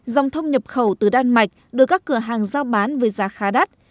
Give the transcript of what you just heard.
dòng thông nhập khẩu từ đan mạch được các cửa hàng giao bán với giá khá đắt